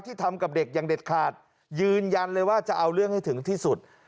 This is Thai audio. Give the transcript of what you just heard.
ทำกับเด็กอย่างเด็ดขาดยืนยันเลยว่าจะเอาเรื่องให้ถึงที่สุด